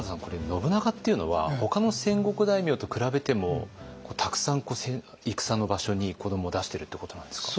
信長っていうのはほかの戦国大名と比べてもたくさん戦の場所に子どもを出してるってことなんですか？